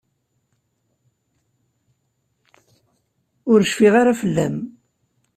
Ur cfin ara fell-am.